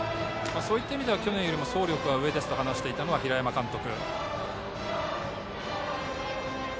そういった意味では去年より走力は上ですと話していたのは平山監督。